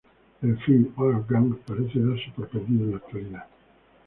El film "Our Gang" parece darse por perdido en la actualidad.